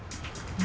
何？